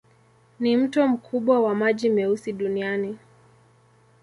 Ni mto mkubwa wa maji meusi duniani.